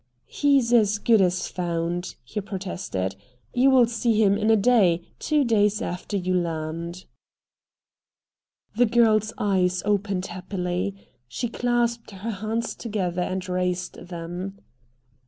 "He's as good as found," he protested. "You will see him in a day, two days after you land." The girl's eyes opened happily. She clasped her hands together and raised them.